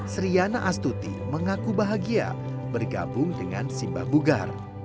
sriana astuti mengaku bahagia bergabung dengan simbah bugar